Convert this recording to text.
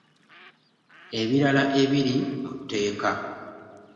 Ebirala ebiri mu tteeka.